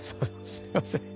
すいません。